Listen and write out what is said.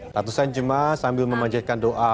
ratusan jemaah sambil memanjatkan doa